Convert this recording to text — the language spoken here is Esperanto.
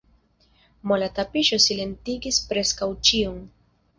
Mola tapiŝo silentigis preskaŭ ĉion.